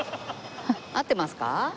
合ってますか？